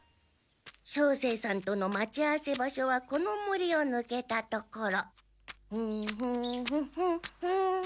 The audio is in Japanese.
照星さんとの待ち合わせ場所はこの森をぬけたところ。